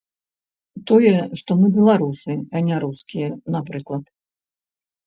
Тое, што мы беларусы, а не рускія, напрыклад.